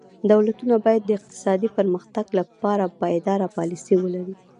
دولتونه باید د اقتصادي پرمختګ لپاره پایداره پالیسي ولري.